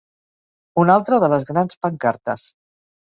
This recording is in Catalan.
Una altra de les grans pancartes.